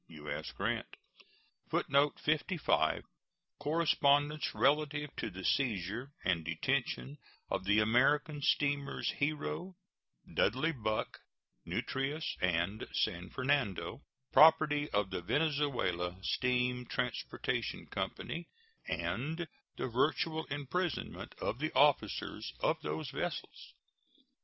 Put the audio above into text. U.S. GRANT. [Footnote 55: Correspondence relative to the seizure and detention of the American steamers Hero, Dudley Buck, Nutrias, and San Fernando, property of the Venezuela Steam Transportation Company, and the virtual imprisonment of the officers of those vessels.